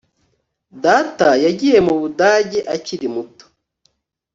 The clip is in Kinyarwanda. Data yagiye mu Budage akiri muto